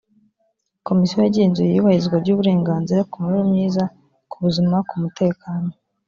komisiyo yagenzuye iyubahirizwa ry uburenganzira ku mibereho myiza ku buzima ku mutekano